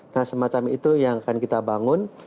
nah semacam itu yang akan kita bangun